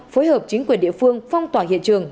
phối hợp chính quyền địa phương phong tỏa hiện trường